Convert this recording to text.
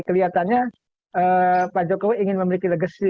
kelihatannya pak jokowi ingin memiliki legacy